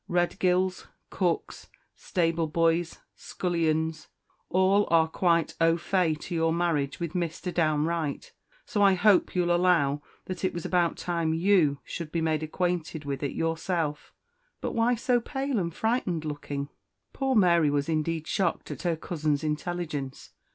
Redgills, cooks, stable boys, scullions, all are quite au fait to your marriage with Mr. Downe Wright; so I hope you'll allow that it was about time _you _should be made acquainted with it yourself. But why so pale and frightened looking?" Poor Mary was indeed shocked at her cousin's intelligence.